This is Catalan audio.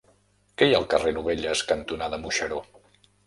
Què hi ha al carrer Novelles cantonada Moixeró?